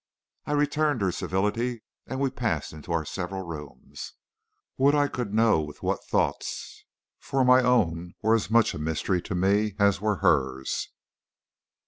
I returned her civility, and we passed into our several rooms. Would I could know with what thoughts, for my own were as much a mystery to me as were hers.